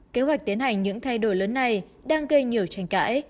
kế hoạch tiến hành những thay đổi lớn này đang gây nhiều tranh cãi